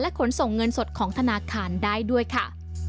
ขนส่งเงินสดของธนาคารได้ด้วยค่ะ